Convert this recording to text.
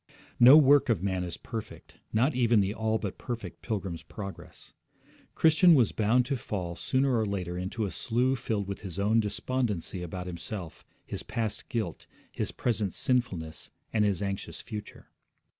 No work of man is perfect, not even the all but perfect Pilgrim's Progress. Christian was bound to fall sooner or later into a slough filled with his own despondency about himself, his past guilt, his present sinfulness, and his anxious future.